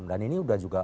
dan ini sudah juga